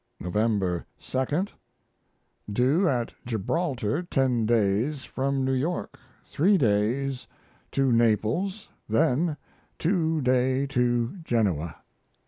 November 2. Due at Gibraltar 10 days from New York. 3 days to Naples, then 2 day to Genoa.